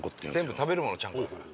全部食べるものちゃんこだから。